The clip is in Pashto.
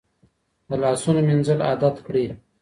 د لاسونو مینځل عادت کړئ.